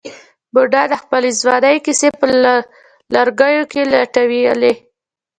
بوډا د خپلې ځوانۍ کیسې په لوګیو کې لټولې.